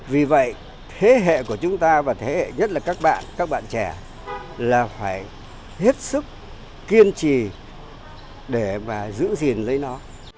vì vậy thế hệ của chúng ta và thế hệ nhất là các bạn các bạn trẻ là phải hết sức kiên trì để mà giữ gìn lấy nó